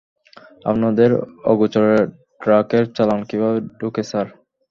আপনাদের অগোচরে ড্রাগের চালান কীভাবে ঢোকে, স্যার?